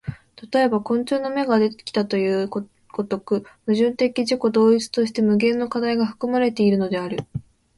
例えば昆虫の眼ができたという如く、矛盾的自己同一として無限の課題が含まれているのである。